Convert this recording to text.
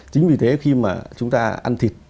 chính vì thế khi mà chúng ta ăn thịt